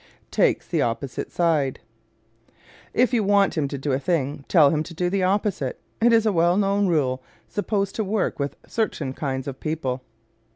Takes the Opposite Side ¶ "If you want him to do a thing, tell him to do the opposite," is a well known rule supposed to work with certain kinds of people.